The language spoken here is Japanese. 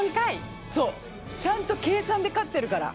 ちゃんと計算で買ってるから。